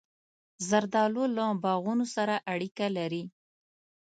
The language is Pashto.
زردالو له باغونو سره اړیکه لري.